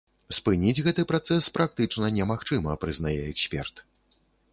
Спыніць гэты працэс практычна немагчыма, прызнае эксперт.